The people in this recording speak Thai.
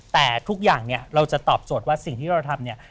แต่ทุกอย่างเนี่ยเราจะตอบโจทย์ว่าสิ่งที่เราทำเนี่ย